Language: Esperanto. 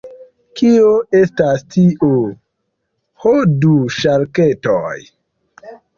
Kio estas tio? Ho, du ŝarketoj.